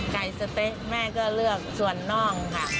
สะเต๊ะแม่ก็เลือกส่วนน่องค่ะ